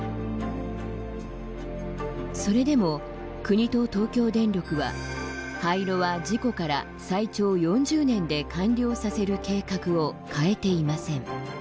それでも国と東京電力は廃炉は、事故から最長４０年で完了させる計画を変えていません。